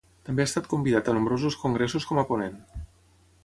També ha estat convidat a nombrosos congressos com a ponent.